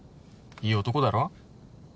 いい男だろ？